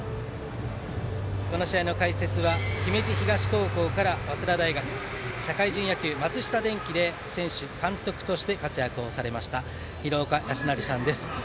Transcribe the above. この試合の解説は姫路東高校から早稲田大学社会人野球、松下電器で選手、監督として活躍をされました廣岡資生さんです。